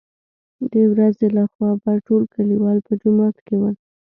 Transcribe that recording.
دورځې له خوا به ټول کليوال په جومات کې ول.